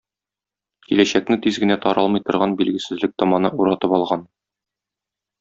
Киләчәкне тиз генә таралмый торган билгесезлек томаны уратып алган.